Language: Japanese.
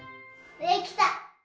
できた！